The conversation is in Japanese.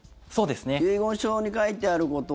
遺言書に書いてあること